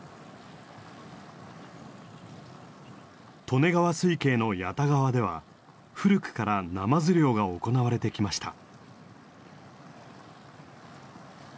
利根川水系の谷田川では古くからナマズ漁が行われてきました。